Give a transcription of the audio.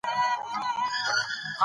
ښځه د نړۍ لطيف مخلوق دې